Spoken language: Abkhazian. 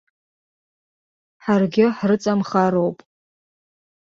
Ҳаргьы ҳрыҵамхароуп.